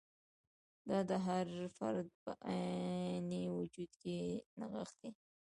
دا د هر فرد په عیني وجود کې نغښتی.